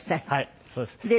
はいそうです。